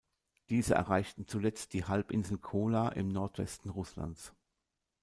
Diese erreichten zuletzt die Halbinsel Kola im Nordwesten Rußlands.